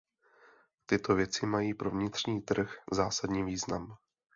Tyto věci mají pro vnitřní trh zásadní význam.